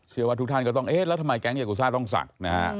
ว่าทุกท่านก็ต้องเอ๊ะแล้วทำไมแก๊งยากูซ่าต้องศักดิ์นะฮะ